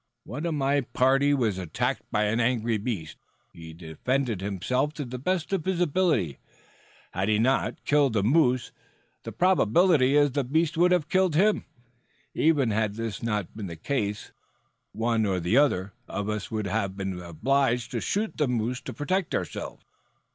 One of my party was attacked by an angry beast. He defended himself to the best of his ability. Had he not killed the moose the probability is that the beast would have killed him. Even had this not been the case one or the other of us would have been obliged to shoot the moose to protect ourselves."